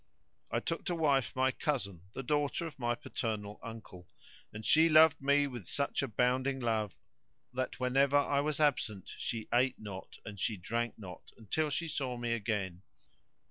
I took to wife my cousin, the daughter of my paternal uncle,[FN#117] and she loved me with such abounding love that whenever I was absent she ate not and she drank not until she saw me again.